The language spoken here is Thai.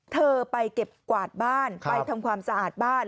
เธอไปเก็บกวาดบ้านไปทำความสะอาดบ้าน